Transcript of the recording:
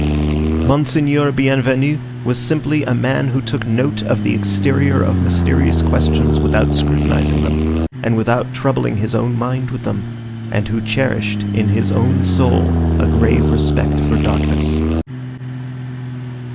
Monseigneur Bienvenu was simply a man who took note of the exterior of mysterious questions without scrutinizing them, and without troubling his own mind with them, and who cherished in his own soul a grave respect for darkness.